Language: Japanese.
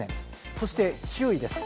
そして９位です。